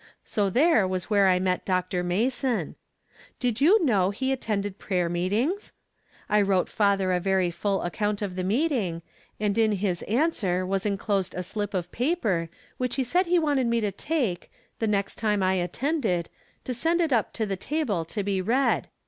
So there was where I met Dr. Mason. Did you know he attended prayer meetings ? I wrote father a very full account of the meeting, and in his answer was inclosed a slip of paper, which he said he wanted me to take, the next time I attended, and send it up to the table to be read.